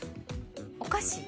お菓子？